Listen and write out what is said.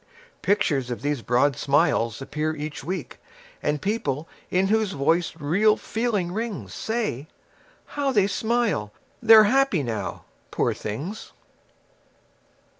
Pictures of these broad smiles appear each week, And people in whose voice real feeling rings Say: How they smile! They're happy now, poor things.